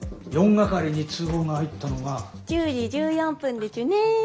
１０時１４分でちゅね。